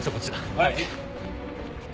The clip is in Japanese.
はい。